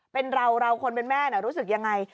เป็นเราเราคนเป็นแม่รู้สึกยังไง